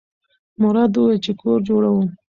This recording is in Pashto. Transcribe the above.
مراد وویل چې کور جوړوم.